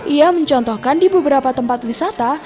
ia mencontohkan di beberapa tempat wisata